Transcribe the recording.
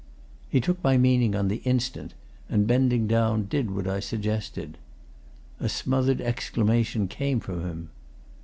He took my meaning on the instant, and bending down, did what I suggested. A smothered exclamation came from him.